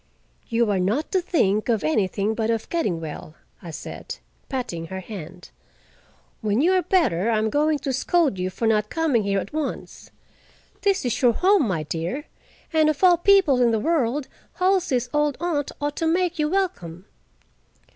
"You are not to think of anything but of getting well," I said, patting her hand. "When you are better, I am going to scold you for not coming here at once. This is your home, my dear, and of all people in the world, Halsey's old aunt ought to make you welcome."